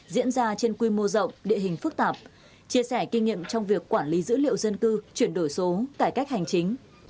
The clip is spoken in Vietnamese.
diễn ra trên quy mô rộng địa hình phức tạp chia sẻ kinh nghiệm trong việc quản lý dữ liệu dân cư chuyển đổi số cải cách hành chính